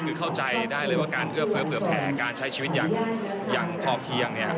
คือเข้าใจได้เลยว่าการเอื้อเฟ้อเผื่อแผลการใช้ชีวิตอย่างพอเพียง